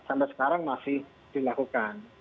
sampai sekarang masih dilakukan